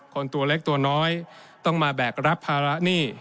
ตัวเล็กตัวน้อยต้องมาแบกรับภาระหนี้